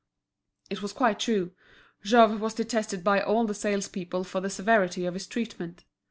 It was quite true; Jouve was detested by all the salespeople for the severity of his treatment.